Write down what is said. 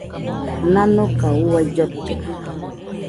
Nanoka uai llote.